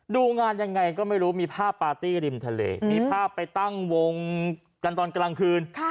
ดูงานยังไงก็ไม่รู้มีภาพปาร์ตี้ริมทะเลมีภาพไปตั้งวงกันตอนกลางคืน